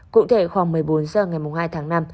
cụ thể khoảng một mươi bốn h ngày hai tháng năm